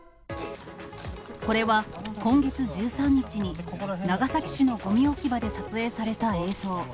これは、今月１３日に長崎市のごみ置き場で撮影された映像。